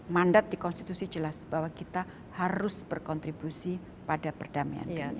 mandat di konstitusi jelas bahwa kita harus berkontribusi pada perdamaian